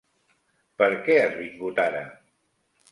Per què has vingut ara?